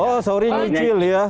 oh sahurnya nyicil ya